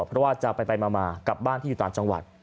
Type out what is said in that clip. เพราะว่าจะไปมากลับบ้านที่อยู่ต่างจังหวัด